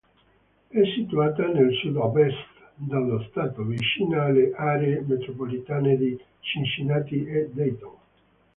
È situata nel sud-ovest dello Stato, vicina alle aree metropolitane di Cincinnati e Dayton.